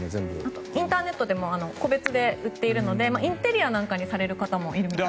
インターネットでも個別で売っているのでインテリアにする方もいるそうです。